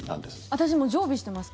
私も常備してます